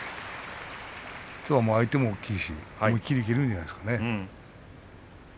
きょうは相手も大きいし思い切りいけるんじゃないですかね。